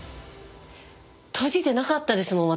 閉じてなかったですもん私。